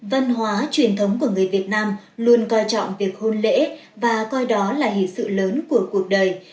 văn hóa truyền thống của người việt nam luôn coi trọng việc hôn lễ và coi đó là hình sự lớn của cuộc đời